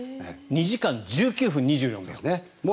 ２時間１９分２４秒。